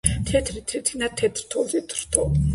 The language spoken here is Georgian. თეთრი თრითინა თეთრ თოვლზე თრთოდა.